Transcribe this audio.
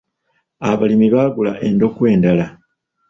Abalimi baagula endokwa endala.